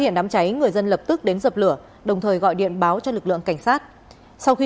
hiện đám cháy người dân lập tức đến dập lửa đồng thời gọi điện báo cho lực lượng cảnh sát sau khi